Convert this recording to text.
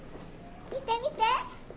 見て見て！